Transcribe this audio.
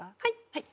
はい。